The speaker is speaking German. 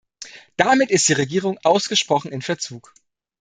Damit ist die Regierung ausgesprochen in Verzug.